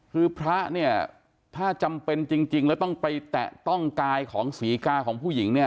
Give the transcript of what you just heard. คือพระเนี่ยถ้าจำเป็นจริงแล้วต้องไปแตะต้องกายของศรีกาของผู้หญิงเนี่ย